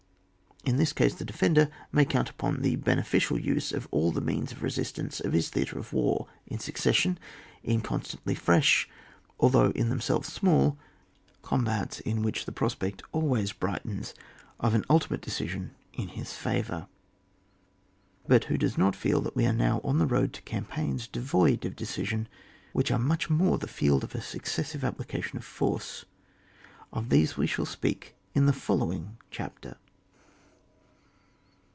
In this case the defender may count upon the beneficial use of all the means of resistance of his theatre of war in succession, in constantly fresh, al though in themselves small, combats, in which the prospect always brightens of an ultimate decision in his favour. But who does not feel that we are now on the road to campaigns devoid of de cision, which are much more the field of a successive application of force. Of these we shall speak in the following chapter.